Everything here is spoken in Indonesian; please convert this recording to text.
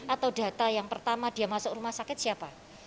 atau data yang pertama dia masuk rumah sakit siapa